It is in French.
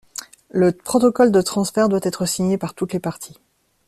Le protocole de transfert doit être signé par toutes les parties.